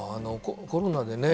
コロナでね